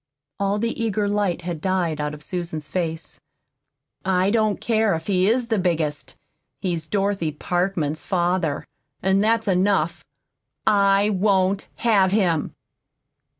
All the eager light had died out of Susan's face. "I don't care if he is the biggest, he's Dorothy Parkman's father, and that's enough. I WON'T HAVE HIM!"